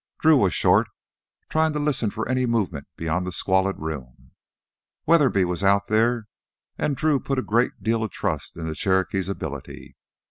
Drew was short, trying to listen for any movement beyond the squalid room. Weatherby was out there, and Drew put a great deal of trust in the Cherokee's ability.